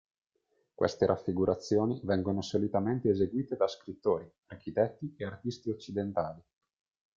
Queste raffigurazioni vengono solitamente eseguite da scrittori, architetti e artisti occidentali.